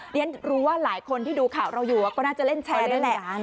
เรียนรู้ว่าหลายคนที่ดูข่าวเราอยู่ก็น่าจะเล่นแชร์นั่นแหละ